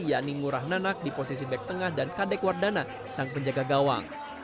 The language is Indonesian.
yakni ngurah nanak di posisi back tengah dan kadek wardana sang penjaga gawang